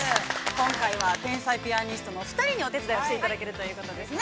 今回は、天才ピアニストのお二人にお手伝いをしていただけるということですね。